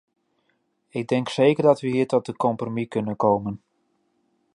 Ik denk zeker dat we hier tot een compromis kunnen komen.